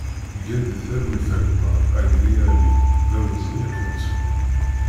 Gen di talwit a gma Agri Ali, d awezɣi ad k-nettu!